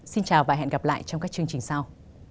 xin chào và hẹn gặp lại trong các chương trình sau